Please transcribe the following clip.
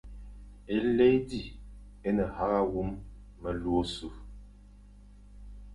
Éli zi é ne hagha wum melu ôsu,